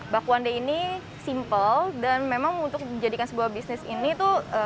bakwande ini simple dan memang untuk menjadikan sebuah bisnis ini tuh